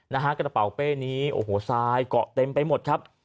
นะฮะกระเป๋าเป้นี้โอ้โหทรายเกาะเต็มไปหมดครับ